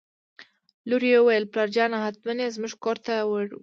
لور یې وویل: پلارجانه حتماً یې زموږ کور ته وړي.